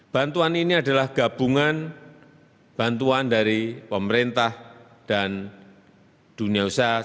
bantuan ini adalah gabungan bantuan dari pemerintah dan dunia usaha